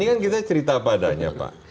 ini kan kita cerita padanya pak